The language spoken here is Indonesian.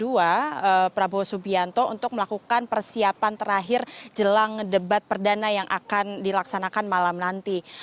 menuju ke diaman calon presiden nomor urut dua prabowo subianto untuk melakukan persiapan terakhir jelang debat perdana yang akan dilaksanakan malam nanti